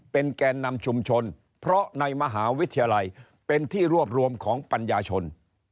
เป็นแกนนำชุมชนเพราะในมหาวิทยาลัยเป็นที่รวบรวมของปัญญาชน